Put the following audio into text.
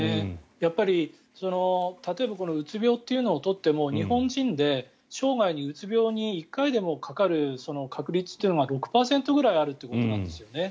やっぱり例えばこのうつ病を取っても日本人で生涯にうつ病に１回でもかかる確率というのが６％くらいあるということなんですね。